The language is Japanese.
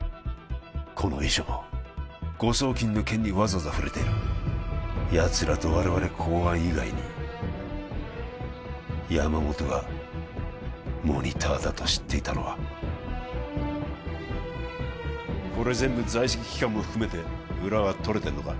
この遺書も誤送金の件にわざわざ触れてるやつらと我々公安以外に山本がモニターだと知っていたのはこれ全部在籍期間も含めて裏はとれてるのか？